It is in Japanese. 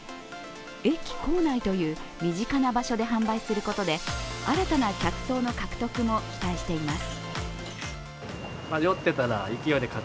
駅構内という身近な場所で販売することで新たな客層の獲得も期待しています。